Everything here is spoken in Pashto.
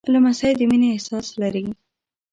لمسی د مینې احساس لري.